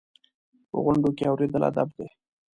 په غونډو کې اورېدل ادب دی.